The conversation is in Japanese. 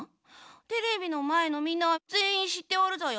テレビのまえのみんなはぜんいんしっておるぞよ。